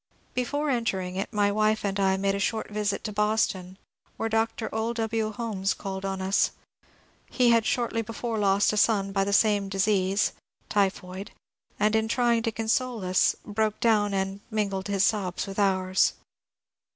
Before entering it my wife and I made a short visit to Boston, where Dr. O. W. Holmes called on us. He had shortly be fore lost a son by the same disease (typhoid), and in trying to console us broke down and mingled his sobs with ours.